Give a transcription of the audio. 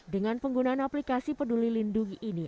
dengan penggunaan aplikasi peduli lindungi ini